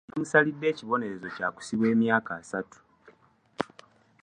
Omulamuzi yamusalidde ekibonerezo kya kusibwa emyaka asatu.